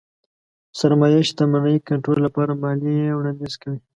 سرمايې شتمنۍ کنټرول لپاره ماليې وړانديز کوي.